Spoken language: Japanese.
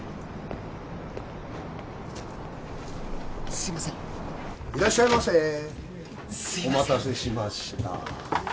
すいませんいらっしゃいませすいませんお待たせしました